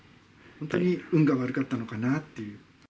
本当に運が悪かったのかなっていう。